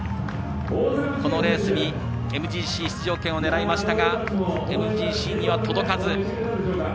このレースにＭＧＣ出場権を狙いましたがＭＧＣには届かず。